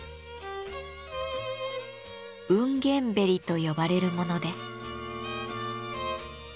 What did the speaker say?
「繧繝縁」と呼ばれるものです。